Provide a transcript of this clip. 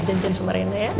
janjian sama rena ya